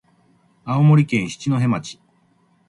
青森県七戸町